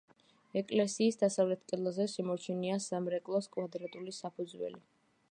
ეკლესიის დასავლეთ კედელზე შემორჩენილია სამრეკლოს კვადრატული საფუძველი.